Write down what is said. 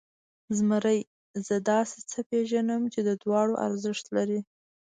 زمري، زه داسې څه پېژنم چې د دواړو ارزښت لري.